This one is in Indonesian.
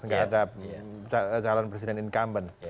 nggak ada calon presiden incumbent